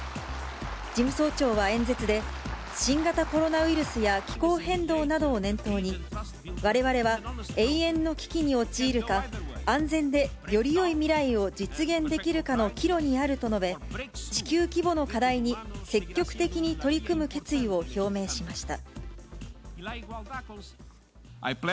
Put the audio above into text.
事務総長は演説で新型コロナウイルスや気候変動などを念頭に、われわれは永遠の危機に陥るか、安全でよりよい未来を実現できるかの岐路にあると述べ、地球規模の課題に積極的に取り組む決意を表明しました。